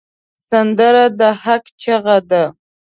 سندره د حق چیغه ده